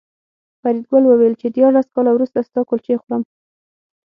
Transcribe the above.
فریدګل وویل چې دیارلس کاله وروسته ستا کلچې خورم